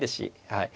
はい。